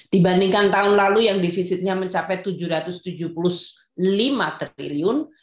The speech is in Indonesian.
dibandingkan tahun lalu yang defisitnya mencapai tujuh ratus tujuh puluh lima triliun